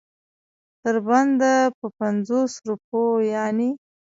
تر بنده په پنځو روپو یعنې.